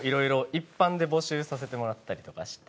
一般で募集させてもらったりとかして。